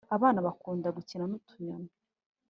abana bakunda gukina nutunyoni